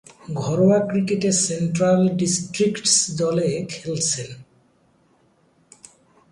ঘরোয়া ক্রিকেটে Central Districts দলে খেলছেন।